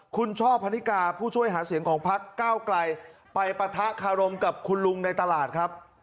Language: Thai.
คุณช่อพนิกาผู้ช่วยหาเสียงของพักเก้าไกลไปปะทะคารมกับคุณลุงในตลาดครับ